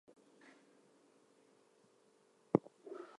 Thinking his work is done, the Palestinians kill Fromm.